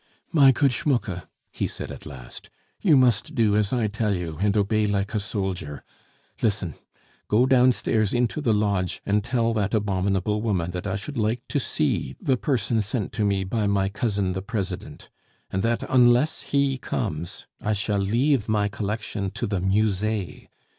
"My good Schmucke," he said at last, "you must do as I tell you, and obey like a soldier. Listen! go downstairs into the lodge and tell that abominable woman that I should like to see the person sent to me by my cousin the President; and that unless he comes, I shall leave my collection to the Musee.